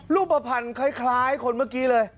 รูปภัณฑ์คล้ายคนเมื่อกี้เลย